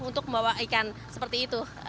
untuk membawa ikan seperti itu